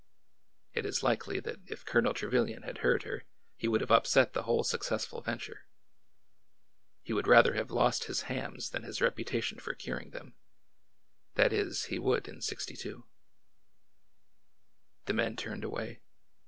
It is likely that if Colonel Trevilian had heard her, he would have upset the whole successful venture. He would rather have lost his hams than his reputation for curing them— that is, he would in '62. The men turned away.